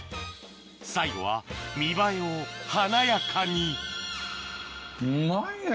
最後は見栄えを華やかにうまいね！